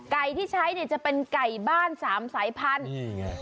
ไก่ที่ใช้จะเป็นไก่บ้าน๓สายพันธุ์